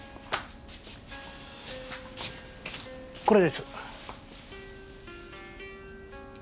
これです。